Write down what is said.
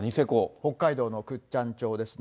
北海道の倶知安町ですね。